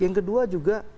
yang kedua juga